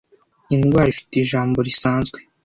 Indwara ifite ijambo risanzwe